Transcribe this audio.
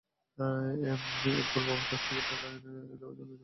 এরপর বাবার কাছ থেকে টাকা এনে দেওয়ার জন্য রিতাকে চাপ দিচ্ছিলেন প্রদীপ।